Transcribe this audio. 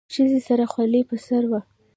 ښځې سره خولۍ په سر وه.